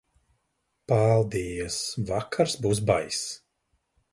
Paldies, vakars būs baiss.